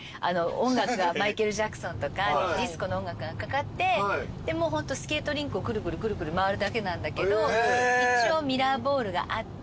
音楽がマイケル・ジャクソンとかディスコの音楽がかかってホントスケートリンクをくるくる回るだけなんだけど一応ミラーボールがあって。